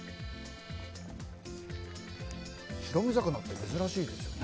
白身魚って珍しいですよね。